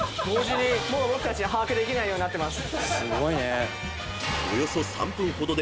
もう僕たち把握できないようになってます。